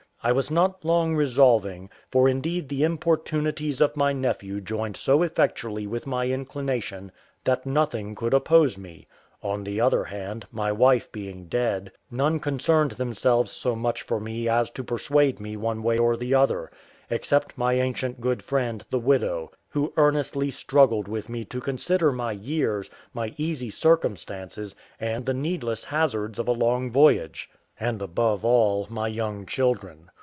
I was not long resolving, for indeed the importunities of my nephew joined so effectually with my inclination that nothing could oppose me; on the other hand, my wife being dead, none concerned themselves so much for me as to persuade me one way or the other, except my ancient good friend the widow, who earnestly struggled with me to consider my years, my easy circumstances, and the needless hazards of a long voyage; and above all, my young children.